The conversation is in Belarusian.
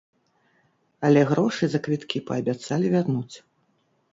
Але грошы за квіткі паабяцалі вярнуць.